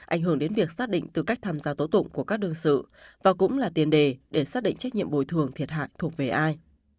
ảnh hưởng đến việc xác định tư cách tham gia tố tụng của các đương sự và cũng là tiền đề để xác định trách nhiệm bồi thường thiệt hại thuộc về ai